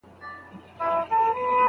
ولي د پناه غوښتلو حق نړیوال دی؟